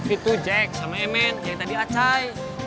itu jack sama emen yang tadi acai